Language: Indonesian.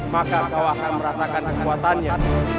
maka kau akan merasakan kekuatannya